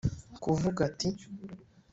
kuva ati « ay'ubusa n'ejo nzongera »